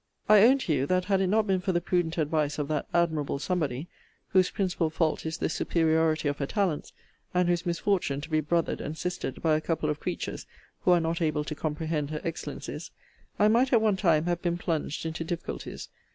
I own to you, that had it not been for the prudent advice of that admirable somebody (whose principal fault is the superiority of her talents, and whose misfortune to be brother'd and sister'd by a couple of creatures, who are not able to comprehend her excellencies) I might at one time have been plunged into difficulties.